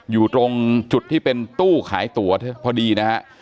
อยู่ตรงจุดที่เป็นตู้ขายตั๋วพอดีนะฮะ